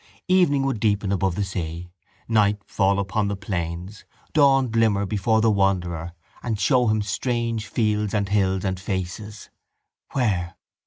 Evening would deepen above the sea, night fall upon the plains, dawn glimmer before the wanderer and show him strange fields and hills and faces. Where?